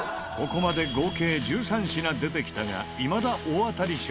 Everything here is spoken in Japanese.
ここまで合計１３品出てきたがいまだ大当たり商品はなし。